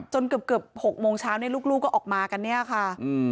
เกือบ๖โมงเช้าเนี่ยลูกก็ออกมากันเนี่ยค่ะ